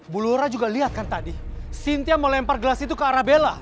bu lora juga lihat kan tadi sintia mau lempar gelas itu ke arah bella